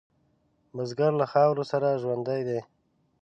بزګر له خاورو سره ژوندی دی